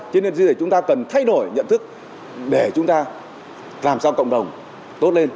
cho nên chúng ta cần thay đổi nhận thức để chúng ta làm sao cộng đồng tốt lên